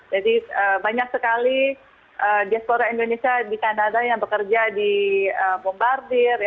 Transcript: jadi banyak sekali diaspora indonesia di kanada yang bekerja di bombardir